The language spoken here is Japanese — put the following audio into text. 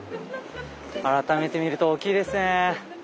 改めて見ると大きいですね。